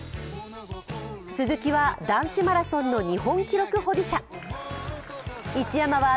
鈴木は男子マラソンの日本記録保持者、一山は